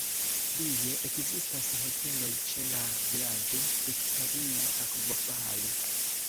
Plie ekzistas hoteloj ĉe la vilaĝo "Viktoria Akvofalo".